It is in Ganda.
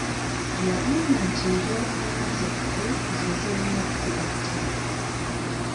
Yagamba nti enjawukana zaffe ze zirina okutugatta.